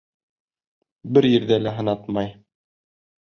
Бер ерҙә лә һынатмай.